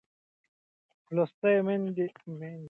لوستې میندې د ماشوم د پاکوالي عادتونه روزي.